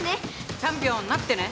チャンピオンなってね。